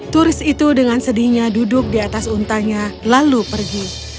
turis itu dengan sedihnya duduk di atas untanya lalu pergi